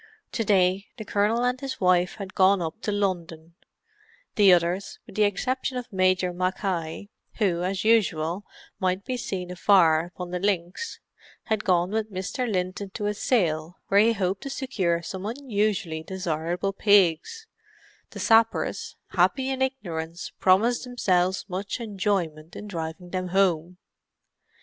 To day the Colonel and his wife had gone up to London; the others, with the exception of Major Mackay, who, as usual, might be seen afar upon the links, had gone with Mr. Linton to a sale where he hoped to secure some unusually desirable pigs; the sappers, happy in ignorance, promised themselves much enjoyment in driving them home.